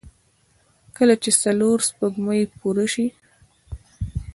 کله چې څلور سپوږمۍ پوره شي.